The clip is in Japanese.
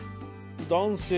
男性